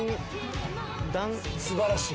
素晴らしい。